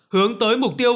hướng tới mục tiêu